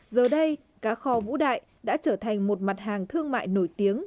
giờ đây cá kho vũ đại đã trở thành một mặt hàng thương mại nổi tiếng